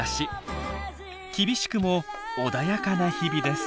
厳しくも穏やかな日々です。